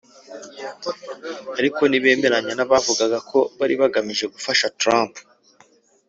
ariko ntibemeranya n’abavugaga ko bari bagamije gufasha Trump